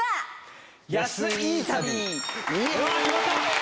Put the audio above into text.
決まった！